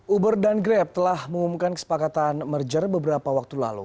uber dan grab telah mengumumkan kesepakatan merger beberapa waktu lalu